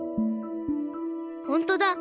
ほんとだ。